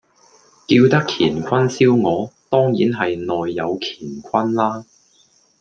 叫得乾坤燒鵝，當然係內有乾坤啦